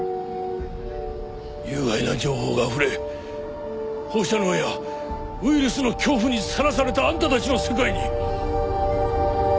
有害な情報があふれ放射能やウイルスの恐怖にさらされたあんたたちの世界に！